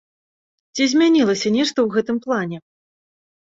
Ці змянілася нешта ў гэтым плане?